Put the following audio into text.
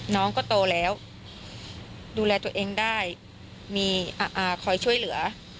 น้องก็โตแล้วดูแลตัวเองได้มีคอยช่วยเหลือ